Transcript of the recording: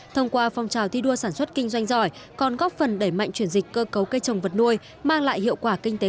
thông qua phong trào thi đua sản xuất kinh doanh giỏi còn góp phần đẩy mạnh chuyển dịch cơ cấu cây trồng vật nuôi mang lại hiệu quả kinh tế cao